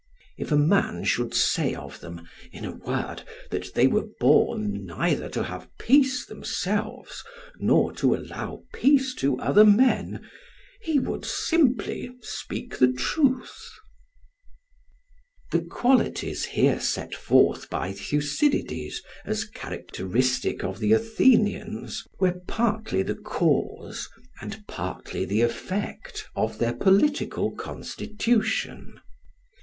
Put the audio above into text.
If a man should say of them, in a word, that they were born neither to have peace themselves nor to allow peace to other men, he would simply speak the truth." [Footnote: Thuc. i. 70. Translated by Jowett.] The qualities here set forth by Thucydides as characteristic of the Athenians, were partly the cause and partly the effect of their political constitution.